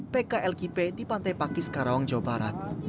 pklkp di pantai pakis karawang jawa barat